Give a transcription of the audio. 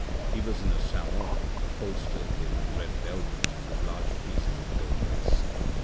He was in a salon upholstered in red velvet with large pieces of gold lace.